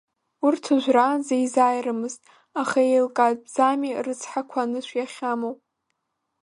Урҭ ожәраанӡа изааирымызт, аха иеилкаатәӡами, рыцҳақуа анышә иахьамоу?